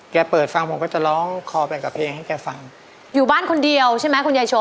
เปิดฟังผมก็จะร้องคอแบ่งกับเพลงให้แกฟังอยู่บ้านคนเดียวใช่ไหมคุณยายโชว